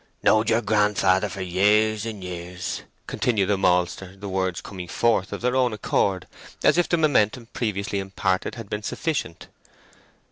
"Knowed yer grandfather for years and years!" continued the maltster, the words coming forth of their own accord as if the momentum previously imparted had been sufficient.